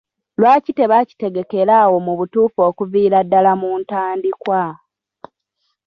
Lwaki tebakitegekerawo mu butuufu okuviira ddaala mu ntandikwa?